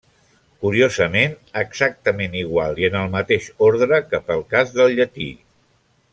Curiosament, exactament igual i en el mateix ordre que pel cas del llatí.